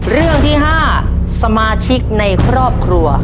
เรื่องที่๕สมาชิกในครอบครัว